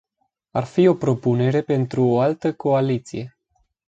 Ar fi o propunere pentru o altă coaliție.